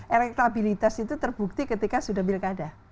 elektabilitas itu terbukti ketika sudah pilkada